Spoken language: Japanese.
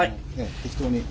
適当に。